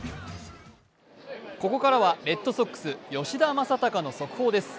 ここからはレッドソックス吉田正尚の速報です。